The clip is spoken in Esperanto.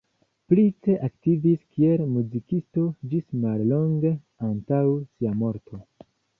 Price aktivis kiel muzikisto ĝis mallonge antaŭ sia morto.